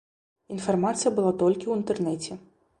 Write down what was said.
Інфармацыя была толькі ў інтэрнэце.